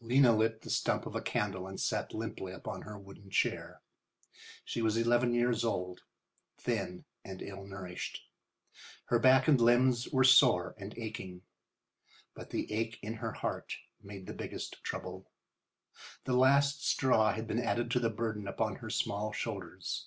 Lena lit the stump of a candle and sat limply upon her wooden chair. She was eleven years old, thin and ill nourished. Her back and limbs were sore and aching. But the ache in her heart made the biggest trouble. The last straw had been added to the burden upon her small shoulders.